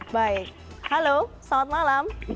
baik halo selamat malam